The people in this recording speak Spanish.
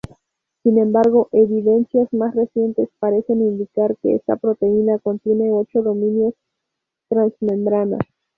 Sin embargo evidencias más recientes parecen indicar que esta proteína contiene ocho dominios transmembrana.